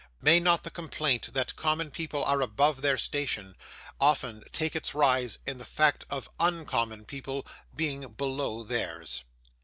May not the complaint, that common people are above their station, often take its rise in the fact of UNcommon people being below theirs?